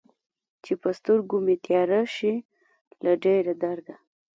چې په سترګو مې تياره شي له ډېر درده